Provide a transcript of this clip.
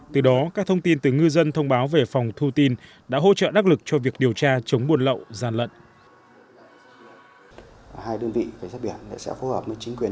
từ đó các thông tin từ ngư dân thông báo về phòng thu tin đã hỗ trợ đắc lực cho việc điều tra chống buồn lậu gian lận